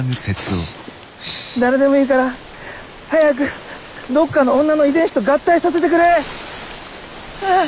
誰でもいいから早くどっかの女の遺伝子と合体させてくれあぁ